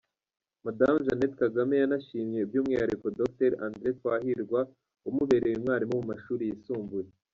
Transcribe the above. Madamu Jeannette Kagame yanashimiye by’umwihariko Dr André Twahirwa wamubereye umwarimu mu mashuri yisumbuye.